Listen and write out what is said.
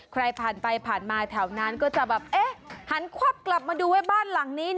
ใครผ่านไปผ่านมาแถวนั้นก็จะแบบหันควับกลับมาดูไว้บ้านหลังนี้